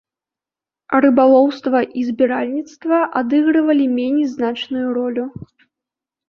Рыбалоўства і збіральніцтва адыгрывалі меней значную ролю.